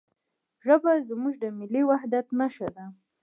ژبه زموږ د ملي وحدت نښه ده.